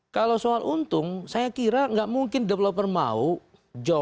kalau soal untung saya kira nggak mungkin developer mau jauh